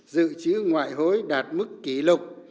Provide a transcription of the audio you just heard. dự trữ ngoại hối đạt mức kỷ lục